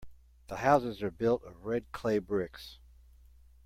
The houses are built of red clay bricks.